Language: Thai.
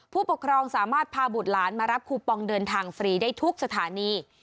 ผู้ปกครองสามารถพาบุตรหลานมารับคูปองเดินทางฟรีได้ทุกสถานี